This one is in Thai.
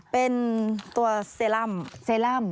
เป็นตัวเซรั่ม